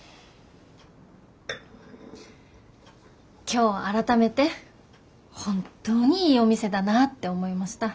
今日改めて本当にいいお店だなぁって思いました。